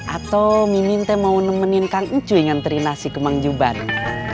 atau mimintai mau nemenin kang ucuy ngantri nasi ke manjubat